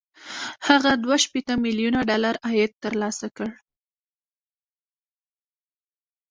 هغه دوه شپېته ميليونه ډالر عاید ترلاسه کړ